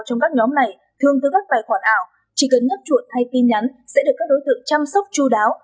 trong các nhóm này thường từ các tài khoản ảo chỉ cần nhấp chuột hay tin nhắn sẽ được các đối tượng chăm sóc chú đáo